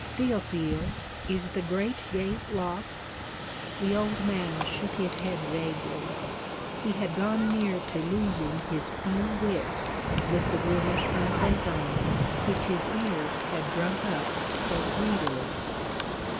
'Théophile, is the great gate locked?' The old man shook his head vaguely. He had gone near to losing his few wits with the rumors from Sézanne which his ears had drunk up so greedily.